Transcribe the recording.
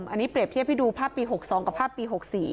อันนี้เปรียบเทียบให้ดูภาพปี๖๒กับภาพปี๖๔